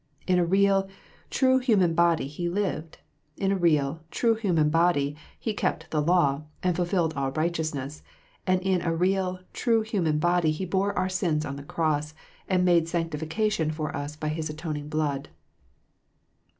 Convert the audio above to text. In a real, true human body He lived ; in a real, true human body He kept the law, and fulfilled all righteousness ; and in a real, true human body He bore our sins on the Cross, and made satis faction for us by His atoning blood.